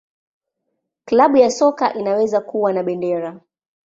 Klabu ya soka inaweza kuwa na bendera.